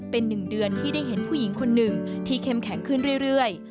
เป็น๑เดือนที่ได้เห็นผู้หญิงคนหนึ่งที่เข้มแข็งขึ้นเรื่อย